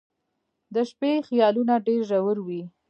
• د شپې خیالونه ډېر ژور وي.